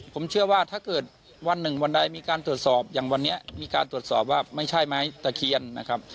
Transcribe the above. ผมเชื่อว่าถ้าเกิดวันหนึ่งวันใดมีการตรวจสอบอย่างวันนี้มีการตรวจสอบว่าไม่ใช่ไม้ตะเคียนนะครับ